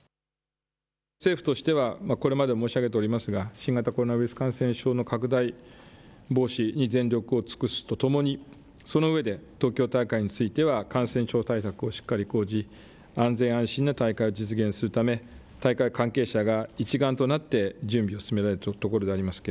政府としてはこれまでも申し上げておりますが感染症防止に全力を尽くすとともに、そのうえで東京大会については感染症対策をしっかり講じ安全安心な大会を実現するため大会関係者が一丸となって準備が進められているところであります。